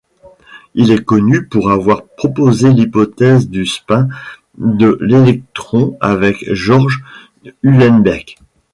Il est connu pour avoir proposé l'hypothèse du spin de l'électron avec George Uhlenbeck.